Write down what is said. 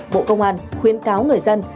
bộ công an khuyến cáo người dân